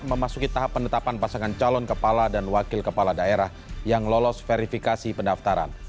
memasuki tahap penetapan pasangan calon kepala dan wakil kepala daerah yang lolos verifikasi pendaftaran